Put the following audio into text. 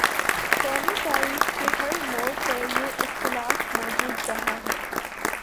قومی تاریخ کے ہر موڑ پر یہ اختلاف مو جود رہا ہے۔